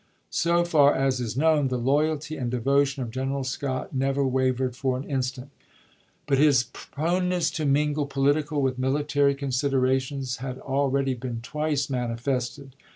So far as is known, the loyalty and devotion of General Scott never wavered for an instant ; but his proneness to mingle political with military considerations had already been twice manifested.